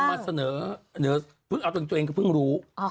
เขาก็เพิ่งนำมาเสนอเอาตัวเองก็เพิ่งรู้